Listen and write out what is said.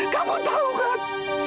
kamu tahu kan